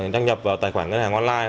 đăng nhập vào tài khoản ngân hàng online